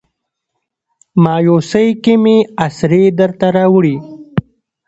مایوسۍ کې مې اسرې درته راوړي